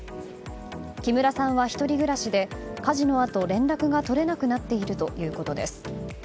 木村さんは１人暮らしで火事のあと連絡が取れなくなっているということです。